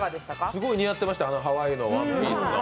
すごい似合ってましたハワイのワンピースの。